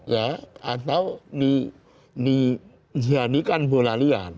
ya atau di jadikan bola liat